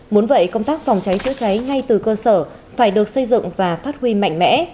muốn vậy công tác phòng cháy chữa cháy ngay từ cơ sở phải được xây dựng và phát huy mạnh mẽ